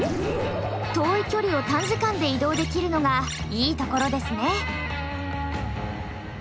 遠い距離を短時間で移動できるのがいいところですね。